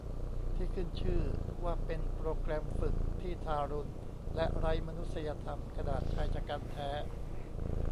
ที่ขึ้นชื่อว่าเป็นโปรแกรมฝึกที่ทารุณและไร้มนุษยธรรมขนาดชายฉกรรจ์แท้